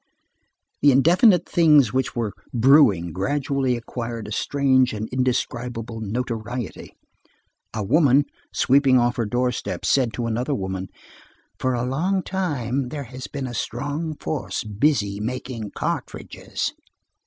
The indefinite things which were brewing gradually acquired a strange and indescribable notoriety. A woman sweeping off her doorsteps said to another woman: "For a long time, there has been a strong force busy making cartridges."